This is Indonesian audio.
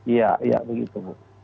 iya iya begitu